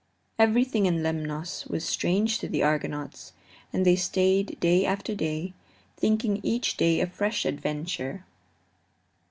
Everything in Lemnos was strange to the Argonauts, and they stayed day after day, thinking each day a fresh adventure.